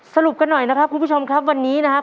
สรุปกันหน่อยนะครับคุณผู้ชมครับวันนี้นะครับ